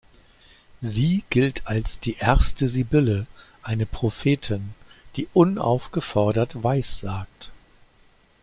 Sie gilt als die erste Sibylle, eine Prophetin, die unaufgefordert weissagt.